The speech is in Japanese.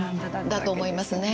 だと思いますね